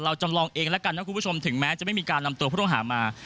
จำลองเองแล้วกันนะคุณผู้ชมถึงแม้จะไม่มีการนำตัวผู้ต้องหามา